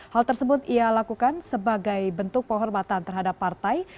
hal tersebut ia lakukan sebagai bentuk penghormatan terhadap partai